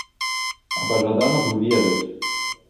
А пажадана б ведаць.